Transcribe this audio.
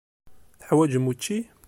Teḥwaǧem učči?